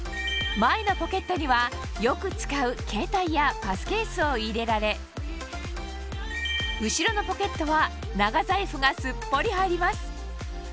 前のポケットにはよく使うケータイやパスケースを入れられ後ろのポケットは長財布がすっぽり入ります